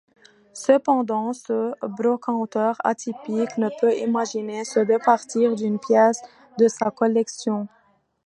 Cependant, ce brocanteur atypique ne peut imaginer se départir d’une pièce de sa collection.